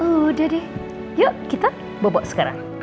udah deh yuk kita bobo sekarang